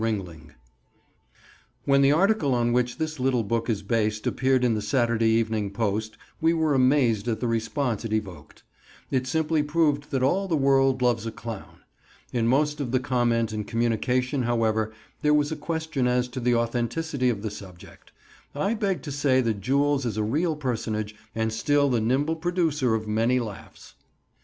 RINGLING. PREFACE When the article on which this little book is based appeared in the Saturday Evening Post we were amazed at the response it evoked. It simply proved that all the world loves a clown. In most of the comment and communication, however, there was a question as to the authenticity of the subject. I beg to say that Jules is a real personage and still the nimble producer of many laughs.